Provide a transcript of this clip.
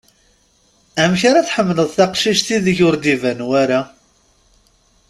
Amek ar ad tḥemmeled taqcict ideg ur-d iban wara?